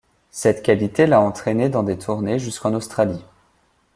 Cette qualité l'a entraîné dans des tournées jusqu'en Australie.